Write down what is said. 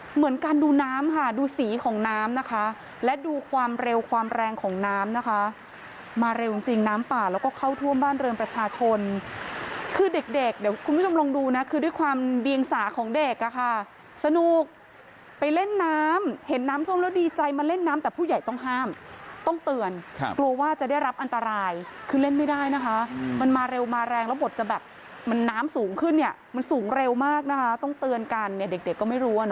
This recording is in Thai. เหมือนกันดูน้ำค่ะดูสีของน้ำนะคะและดูความเร็วความแรงของน้ำนะคะมาเร็วจริงน้ำป่าแล้วก็เข้าท่วมบ้านเรือนประชาชนคือเด็กเดี๋ยวคุณผู้ชมลองดูนะคือด้วยความเดียงสาของเด็กค่ะสนุกไปเล่นน้ำเห็นน้ำท่วมแล้วดีใจมาเล่นน้ำแต่ผู้ใหญ่ต้องห้ามต้องเตือนกลัวว่าจะได้รับอันตรายคือเล่นไม่ได้นะคะมันมาเร็